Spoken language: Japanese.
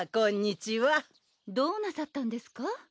どうなさったんですか？